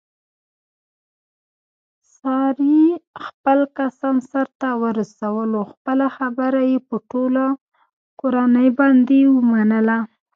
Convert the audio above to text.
سارې خپل قسم سرته ورسولو خپله خبره یې په ټوله کورنۍ باندې ومنله.